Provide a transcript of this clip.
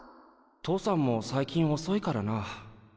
父さんも最近おそいからな。